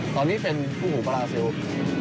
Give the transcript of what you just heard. ตอนนี้เป็นคู่หูบราซิล